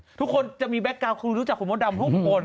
โอ๊ยทุกคนจะมีแบ็คการ์ดคุณรู้จักคุณมดดำทุกคน